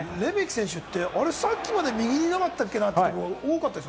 レメキ選手って、さっきまで右にいなかったっけな？とかいうこと多かった。